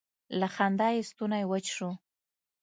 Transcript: له خندا یې ستونی وچ شو.